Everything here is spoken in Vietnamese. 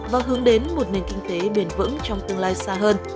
và hướng đến một nền kinh tế bền vững trong tương lai xa hơn